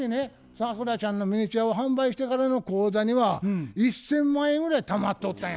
サクラちゃんのミニチュアを販売してからの口座には１，０００万円ぐらいたまっとったんや。